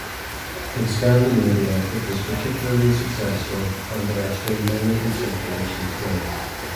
In Scandinavia it was particularly successful, and there are still many in circulation today.